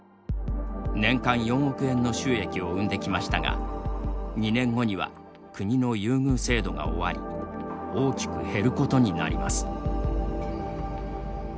年間４億円の収益を生んできましたが２年後には国の優遇制度が終わり大きく減ることになります。